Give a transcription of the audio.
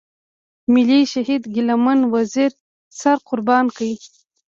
ملي شهيد ګيله من وزير سر قربان کړ.